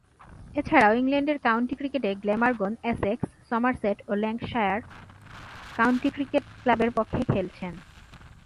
এছাড়াও, ইংল্যান্ডের কাউন্টি ক্রিকেটে গ্ল্যামারগন, এসেক্স, সমারসেট ও ল্যাঙ্কাশায়ার কাউন্টি ক্রিকেট ক্লাবের পক্ষে খেলছেন।